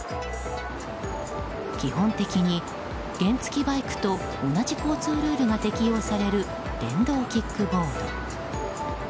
基本的に原付きバイクと同じ交通ルールが適用される電動キックボード。